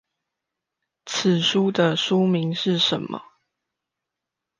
此書的書名是什麼？